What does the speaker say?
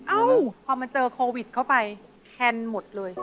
เอ้าพอมันเจอโควิดเข้าไปแคนหมดเลย